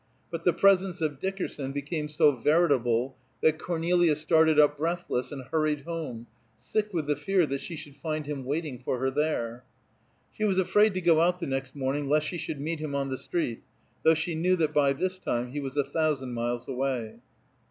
But the presence of Dickerson became so veritable that Cornelia started up breathless, and hurried home, sick with the fear that she should find him waiting for her there. She was afraid to go out the next morning, lest she should meet him on the street, though she knew that by this time he was a thousand miles away.